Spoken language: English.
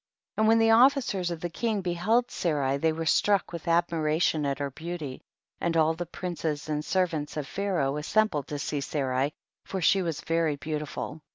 14. And when the officers of the king beheld Sarai they were struck with admiration at her beauty, and all the princes and servants of Pha raoh assembled to see Sarai, for she was very beautiful.